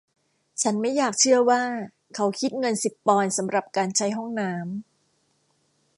ฉันไม่อยากเชื่อว่าเขาคิดเงินสิบปอนด์สำหรับการใช้ห้องน้ำ !